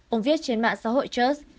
ông viết trên mạng xã hội church